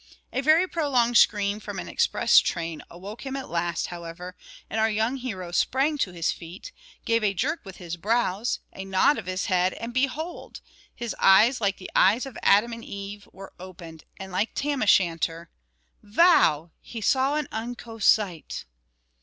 A very prolonged scream from an express train awoke him at last, however; and our young hero sprang to his feet, gave a jerk with his brows, a nod of his head, and behold! his eyes, like the eyes of Adam and Eve, were opened; and, like Tam o' Shanter, "Vow! he saw an unco' sight!"